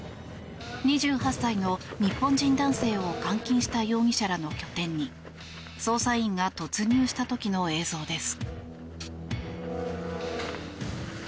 ２８歳の日本人男性を監禁した容疑者らの拠点に捜査員が突入した時の映像です。